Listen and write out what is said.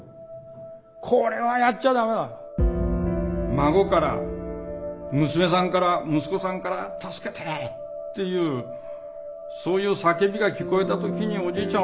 孫から娘さんから息子さんから助けてっていうそういう叫びが聞こえた時におじいちゃん